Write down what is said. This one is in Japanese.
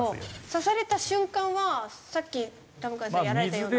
刺された瞬間はさっき田迎さんがやられたような。